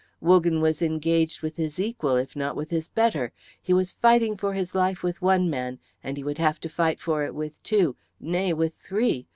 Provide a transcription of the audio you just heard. Wogan was engaged with his equal if not with his better. He was fighting for his life with one man, and he would have to fight for it with two, nay, with three.